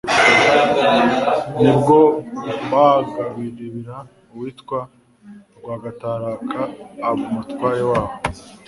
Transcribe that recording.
Nibwo bahagabira uwitwa Rwagataraka aba Umutware waho.